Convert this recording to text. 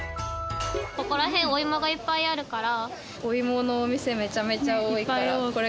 ここら辺おいもがいっぱいあるから。